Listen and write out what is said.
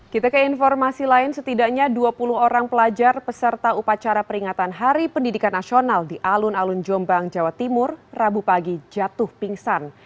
kita ke informasi lain setidaknya dua puluh orang pelajar peserta upacara peringatan hari pendidikan nasional di alun alun jombang jawa timur rabu pagi jatuh pingsan